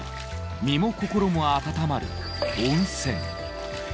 身も心も温まる温泉。